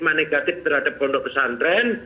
kami menstigma negatif terhadap kondok pesantren